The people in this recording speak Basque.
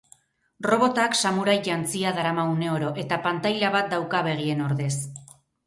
Robotak samurai jantzia darama uneoro, eta pantaila bat dauka begien ordez.